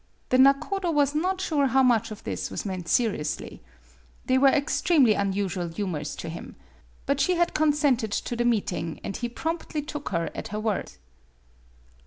The nakodo was not sure how much of this was meant seriously. They were ex tremely unusual humors to him. But she had consented to the meeting, and he promptly took her at her word.